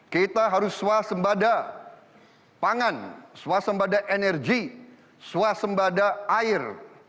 kita harus swasembada pangan swasembada energi swasembada air